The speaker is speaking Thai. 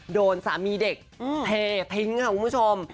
โดนสามีเด็กเททิ้งค่ะคุณผู้ชม